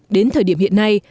đến thời điểm hiện nay